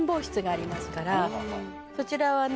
そちらはね